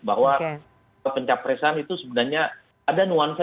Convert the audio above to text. bahwa pencapresan itu sebenarnya ada nuansa